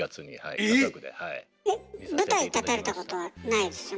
えっ舞台立たれたことはないですよね。